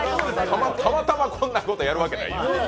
たまたまこんなこと、やるわけないやん！